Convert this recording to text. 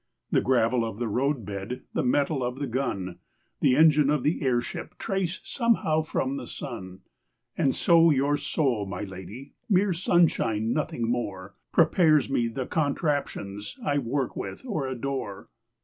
The gravel of the roadbed, The metal of the gun, The engine of the airship Trace somehow from the sun. And so your soul, my lady (Mere sunshine, nothing more) Prepares me the contraptions I work with or adore.